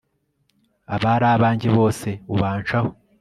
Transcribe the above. abari abanjye bose ubancaho